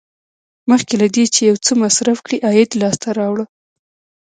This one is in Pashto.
مخکې له دې چې یو څه مصرف کړئ عاید لاسته راوړه.